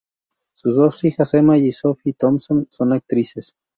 Sus dos hijas Emma y Sophie Thompson son actrices.